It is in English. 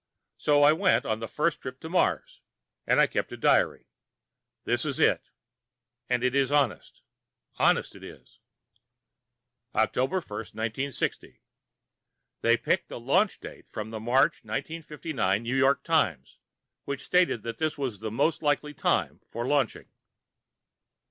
So I went on the first trip to Mars. And I kept a diary. This is it. And it is honest. Honest it is. October 1, 1960 They picked the launching date from the March, 1959, New York Times, which stated that this was the most likely time for launching.